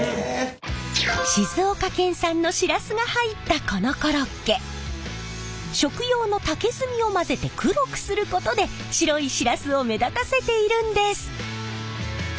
静岡県産のシラスが入ったこのコロッケ食用の竹炭を混ぜて黒くすることで白いシラスを目立たせているんです！